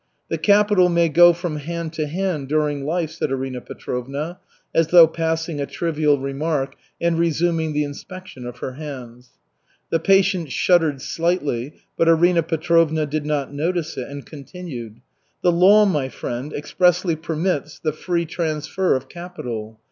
"The capital may go from hand to hand during life," said Arina Petrovna, as though passing a trivial remark and resuming the inspection of her hands. The patient shuddered slightly, but Arina Petrovna did not notice it and continued: "The law, my friend, expressly permits the free transfer of capital.